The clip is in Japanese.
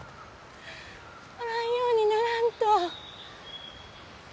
おらんようにならんと。